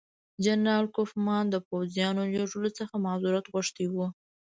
جنرال کوفمان د پوځیانو لېږلو څخه معذرت غوښتی وو.